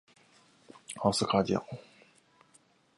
他赢得了七次奥斯卡奖。